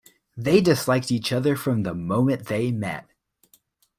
They disliked each other from the moment they met.